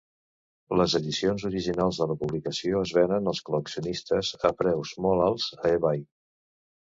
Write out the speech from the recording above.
Les edicions originals de la publicació es venen als col·leccionistes a preus molt alts a eBay.